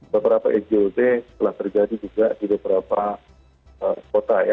beberapa ngot telah terjadi juga di beberapa kota ya